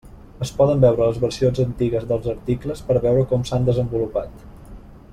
Es poden veure les versions antigues dels articles per veure com s'han desenvolupat.